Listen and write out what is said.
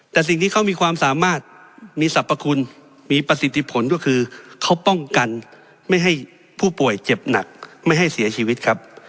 แต่สิ่งที่เขามีความสามารถมีสรรพคุณมีประสิทธิผลก็คือเขาป้องกันไม่ให้ผู้ป่วยเจ็บหนักไม่ให้เสียชีวิตครับ